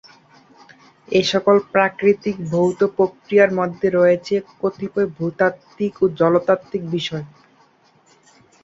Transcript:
এসকল প্রাকৃতিক ভৌত প্রক্রিয়ার মধ্যে রয়েছে কতিপয় ভূতাত্ত্বিক ও জলতাত্ত্বিক বিষয়।